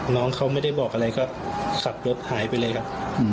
น้องเขาไม่ได้บอกอะไรก็ขับรถหายไปเลยครับ